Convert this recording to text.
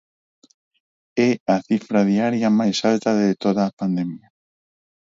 É a cifra diaria máis alta de toda a pandemia.